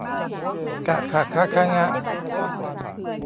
กะขะคะฆะงะ